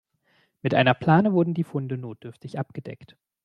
Mit einer Plane wurden die Funde notdürftig abgedeckt.